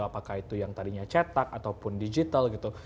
apakah itu yang tadinya cetak ataupun digital gitu